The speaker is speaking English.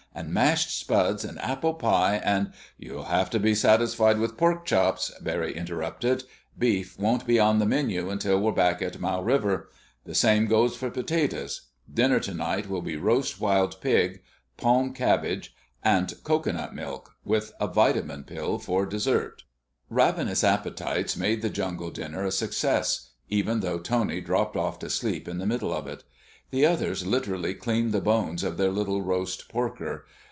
"And mashed spuds and apple pie and—" "You'll have to be satisfied with pork chops," Barry interrupted. "Beef won't be on the menu until we're back at Mau River. The same goes for potatoes. Dinner tonight will be roast wild pig, palm cabbage, and cocoanut milk—with a vitamin pill for dessert." Ravenous appetites made the jungle dinner a success, even though Tony dropped off to sleep in the middle of it. The others literally cleaned the bones of their little roast porker.